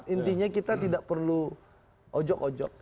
intinya kita tidak perlu ojok ojok